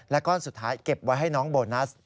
ก้อนสุดท้ายเก็บไว้ให้น้องโบนัส